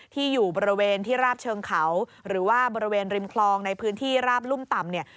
ที่อยู่บริเวณที่ราบเชิงเขาหรือว่าบริเวณริมคลองในพื้นที่ราบรุ่มต่ำเนี่ย